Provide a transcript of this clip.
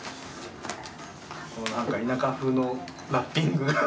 何か田舎風のラッピング。